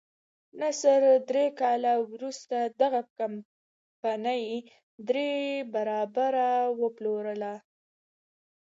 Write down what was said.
نصر درې کاله وروسته دغه کمپنۍ درې برابره وپلورله.